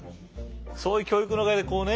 そういう教育のおかげでこうね